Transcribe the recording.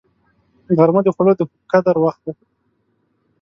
غرمه د خوړو د قدر وخت دی